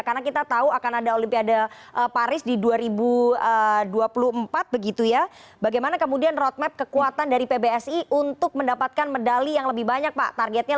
karena kita tahu akan ada olimpiade paris di dua ribu dua puluh empat begitu ya bagaimana kemudian road map kekuatan dari pbsi untuk mendapatkan medali yang lebih banyak pak